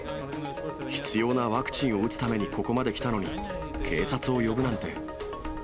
必要なワクチンを打つためにここまで来たのに、警察を呼ぶなんて。